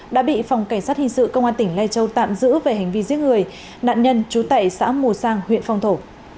đã bị phòng cảnh sát hình sự công an tỉnh lê châu tạm giữ về hành vi giết người nạn nhân chú tài xã mù sang huyện phong thổ